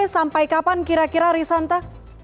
sampai kapan kira kira risanta